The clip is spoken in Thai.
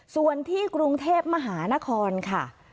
ส่วนที่กรุงเทพมหานครค่ะ